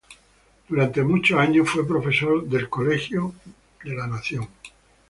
Durante muchos años fue profesor del Colegio Militar de la Nación.